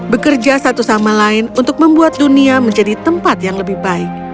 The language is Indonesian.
bekerja satu sama lain untuk membuat dunia menjadi tempat yang lebih baik